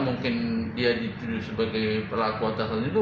mungkin dia dituduh sebagai pelaku atas lalu